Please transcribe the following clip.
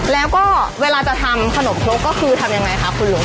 แล้วก็เวลาจะทำขนมครกก็คือทำยังไงคะคุณลุง